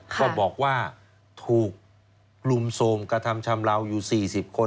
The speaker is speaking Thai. ก็บอกว่าถูกรุมโทรมกระทำชำราวอยู่๔๐คน